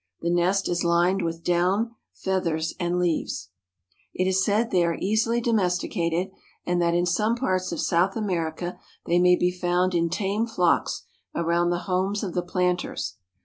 The nest is lined with down, feathers and leaves. It is said that they are easily domesticated and that in some parts of South America they may be found in tame flocks around the homes of the planters.